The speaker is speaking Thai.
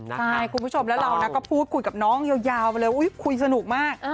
ใช่คุณผู้ชมแล้วเราก็พูดคุยกับน้องยาวไปเลยคุยสนุกมาก